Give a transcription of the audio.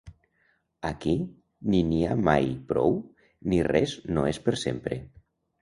Aquí ni n'hi ha mai prou ni res no és per sempre.